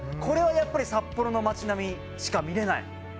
これはやっぱり札幌の街並みしか見れない。